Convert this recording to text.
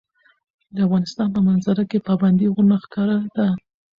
د افغانستان په منظره کې پابندی غرونه ښکاره ده.